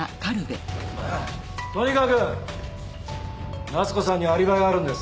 とにかく夏子さんにはアリバイがあるんです。